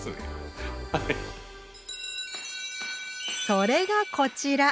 それがこちら！